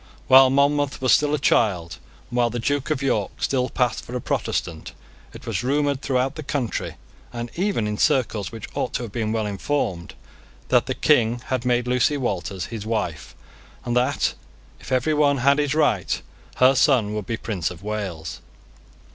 While Monmouth was still a child, and while the Duke of York still passed for a Protestant, it was rumoured throughout the country, and even in circles which ought to have been well informed, that the King had made Lucy Walters his wife, and that, if every one had his right, her son would be Prince of Wales.